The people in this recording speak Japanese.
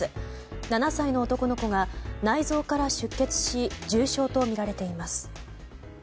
７歳の男の子が内臓から出血し重傷とみられています。